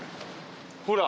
ほら。